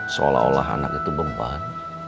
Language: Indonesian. seolah olah anak itu bempan